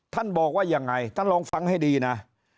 ท่านบอกว่ายังไงท่านลองฟังให้ดีนะ